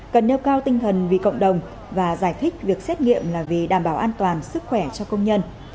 cần nêu cao tinh thần vì cộng đồng và giải thích việc xét nghiệm là vì đảm bảo an toàn sức khỏe cho công nhân